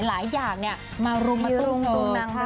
หลายอย่างมารุมมาตรงเถิด